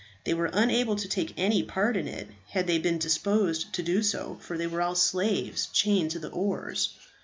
They were unable to take any part in it, had they been disposed to do so, for they were all slaves chained to the oars.